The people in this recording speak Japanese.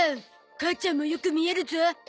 母ちゃんもよく見えるゾ。